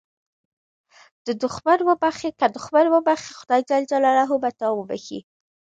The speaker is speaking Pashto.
که دوښمن وبخښې، خدای جل جلاله به تا وبخښي.